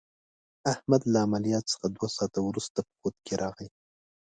احمد له عملیات څخه دوه ساعته ورسته په خود کې راغی.